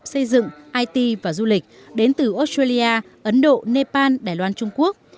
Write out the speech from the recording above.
xây dựng it và du lịch đến từ australia ấn độ nepal đài loan trung quốc